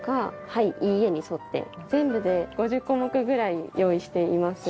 「いいえ」に沿って全部で５０項目ぐらい用意しています。